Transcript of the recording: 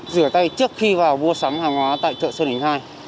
rửa tay trước khi vào mua sắm hàng hóa tại chợ xuân đình ii